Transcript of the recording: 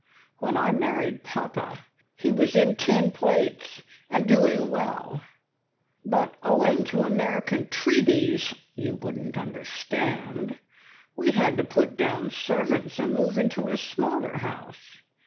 When I married Papa he was in tin plates, and doing well, but owing to American treaties (you wouldn't understand!) we had to put down servants and move into a smaller house.